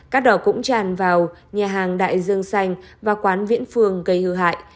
cát đỏ cũng tràn vào nhà hàng đại dương xanh và quán viễn phương gây hư hại